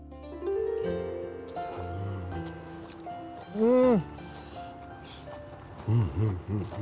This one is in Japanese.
うん。